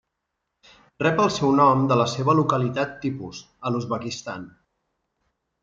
Rep el seu nom de la seva localitat tipus, a l'Uzbekistan.